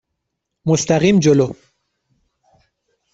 مستقیم جلو.